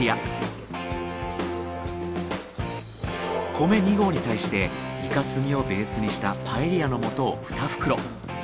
米２合に対してイカ墨をベースにしたパエリアの素を２袋。